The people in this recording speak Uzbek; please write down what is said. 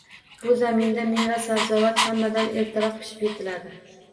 Bu zaminda meva-sabzavot hammadan ertaroq pishib yetiladi.